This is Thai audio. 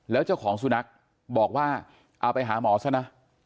แล้วเจ้าของสุนัขบอกว่าเอาไปหาหมอซะนะ